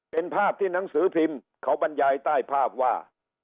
เป็นภาพที่หนังสือพิมพ์เขาบรรยายใต้ภาพว่า